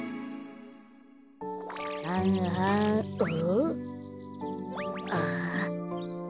はんはんうん？ああ。